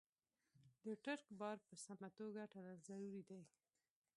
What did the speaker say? د ټرک بار په سمه توګه تړل ضروري دي.